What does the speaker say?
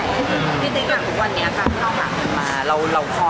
พี่ตอบได้แค่นี้จริงค่ะ